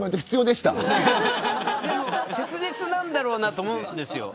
でも、切実なんだろうなと思うんです。